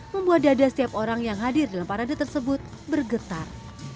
membuat dada setiap orang yang hadir dalam parade tersebut bergetar